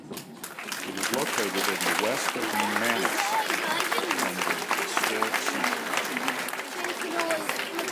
It is located in the west of Manaus, from the historic center.